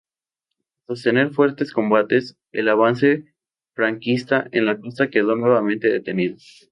Tras sostener fuertes combates, el avance franquista en la costa quedó nuevamente detenido.